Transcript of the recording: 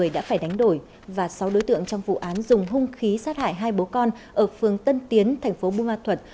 sáu đối tượng trong vụ án dùng hung khí sát hại hai bố con ở phường tân tiến thành phố bunga thuật